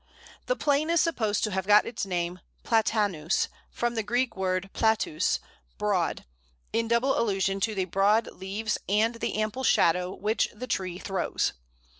The Plane is supposed to have got its name Platanus from the Greek word platus (broad), in double allusion to the broad leaves and the ample shadow which the tree throws.